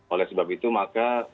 oleh sebab itu maka